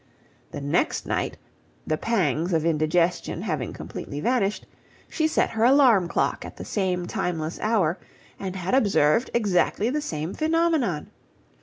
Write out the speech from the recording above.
The next night, the pangs of indigestion having completely vanished, she set her alarum clock at the same timeless hour, and had observed exactly the same phenomenon.